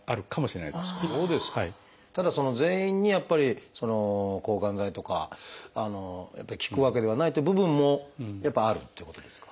ただ全員にやっぱり抗がん剤とか効くわけではないという部分もやっぱりあるってことですか？